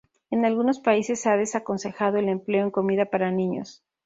En algunos países se ha desaconsejado el empleo en comida para niños.